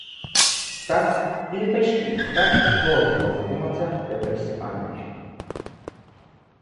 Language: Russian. Так или почти так должен был задуматься Петр Степанович.